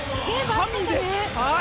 神です。